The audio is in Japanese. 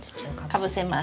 かぶせます。